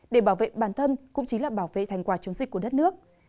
để bảo vệ bản thân cũng chính là bảo vệ thành quả chống dịch của đất nước